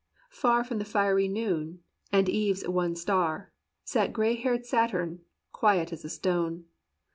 Far from the fiery Noon, and eve's one star, Sat gray hair'd Saturn, quiet as a stone.